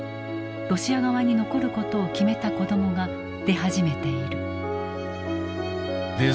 ロシア側に残ることを決めた子どもが出始めている。